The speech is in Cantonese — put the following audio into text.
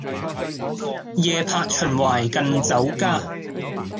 夜泊秦淮近酒家